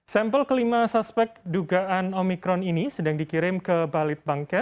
sample kelima suspek dugaan omikron ini sedang dikirim ke bali